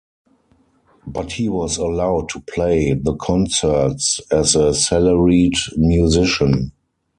But he was allowed to play the concerts as a salaried musician.